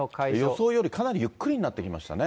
予想よりかなりゆっくりになってきましたね。